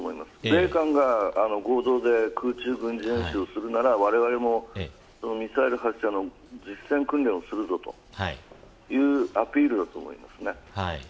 米韓が合同で空中軍事演習をするならわれわれもミサイル発射の実戦訓練をするぞというアピールだと思います。